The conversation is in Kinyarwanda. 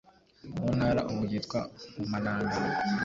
mu ntara ubu yitwa Mpumalanga.